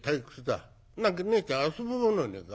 何かねえちゃん遊ぶものねえか？